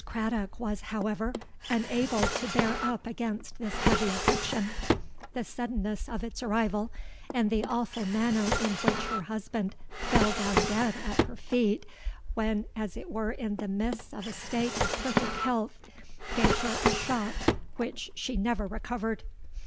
Craddock was, however, unable to bear up against this heavy affliction: the suddenness of its arrival and the awful manner in which her husband fell down dead at her feet, when as it were in the midst of a state of perfect health, gave her a shock which she never recovered.